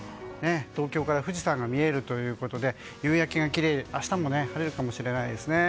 東京から富士山が見えるということで夕焼けがきれいで明日も晴れるかもしれないですね。